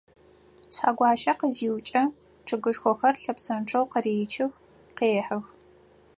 Шъхьэгуащэ къызиукӏэ, чъыгышхохэр лъэпсэнчъэу къыречых, къехьых.